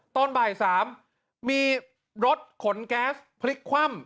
ตอนบ่าย๓มีรถขนแก๊สพลิกคว่ำ